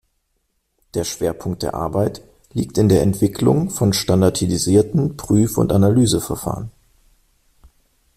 Der Schwerpunkt der Arbeit liegt in der Entwicklung von standardisierten Prüf- und Analyseverfahren.